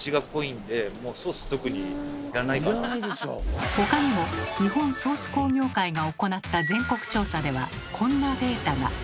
いや他にも日本ソース工業会が行った全国調査ではこんなデータが。